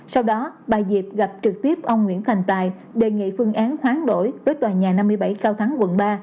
sau đó bà diệp gặp trực tiếp ông nguyễn thành tài đề nghị phương án khoáng đổi với tòa nhà năm mươi bảy cao thắng quận ba